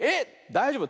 だいじょうぶ。